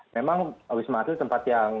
memang wisma atlet tempat yang